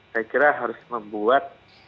saya kira harus membuat